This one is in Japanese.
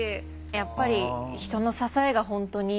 やっぱり人の支えが本当に。